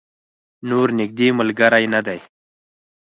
نور نږدې ملګری نه دی.